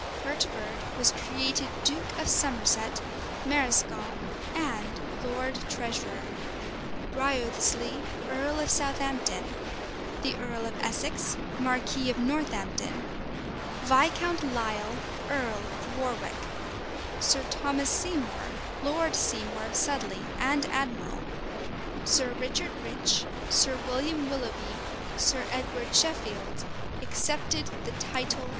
Hertford was created duke of Somerset, mareschal, and lord treasurer; Wriothesely, earl of Southampton; the earl of Essex, marquis of Northampton; Viscount Lisle, earl of Warwick; Sir Thomas Seymour, Lord Seymour of Sudley, and admiral; Sir Richard Rich, Sir William Willoughby, Sir Edward Sheffield accepted the title of baron.